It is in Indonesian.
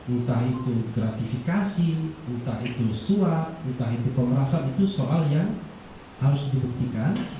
entah itu gratifikasi entah itu suap entah itu pemerasan itu soal yang harus dibuktikan